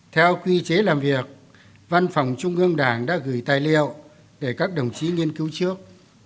theo quy chế làm việc văn phòng trung ương đảng đã gửi tài liệu để các đồng chí nghiên cứu trước